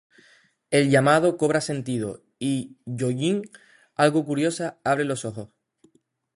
El llamado cobra sentido, y Yoo-Jin, algo curiosa, abre los ojos.